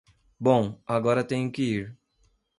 Bom, agora tenho que ir.